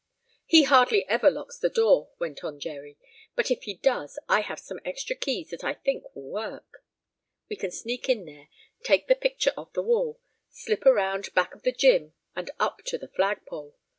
"He hardly ever locks the door," went on Jerry, "but if he does I have some extra keys that I think will work. We can sneak in there, take the picture off the wall, slip around back of the gym and up to the flagpole.